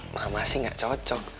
mama sih gak cocok